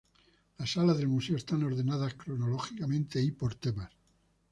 Las salas del museo están ordenadas cronológicamente y por temas.